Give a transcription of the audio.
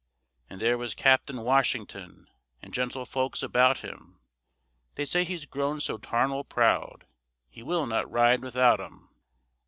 And there was Captain Washington, And gentlefolks about him, They say he's grown so tarnal proud He will not ride without 'em.